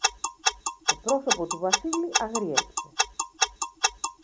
Το πρόσωπο του Βασίλη αγρίεψε.